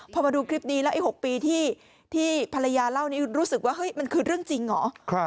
พอมาดูคลิปนี้แล้วไอ้๖ปีที่ภรรยาเล่านี้รู้สึกว่าเฮ้ยมันคือเรื่องจริงเหรอ